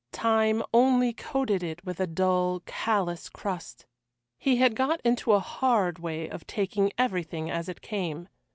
Time only coated it with a dull, callous crust. He had got into a hard way of taking everything as it came.